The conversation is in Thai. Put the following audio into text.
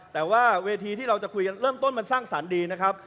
แต่ว่าเวทีที่เราจะคุยกันเริ่มต้นมันสร้างสรรค์ดีนะครับ